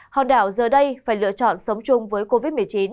hòn đảo giờ đây phải lựa chọn sống chung với covid một mươi chín